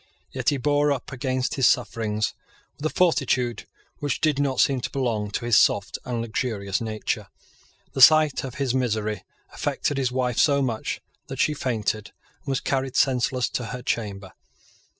Yet he bore up against his sufferings with a fortitude which did not seem to belong to his soft and luxurious nature. The sight of his misery affected his wife so much that she fainted, and was carried senseless to her chamber.